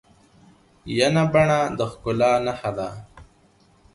ینه بڼه د ښکلا نخښه ده.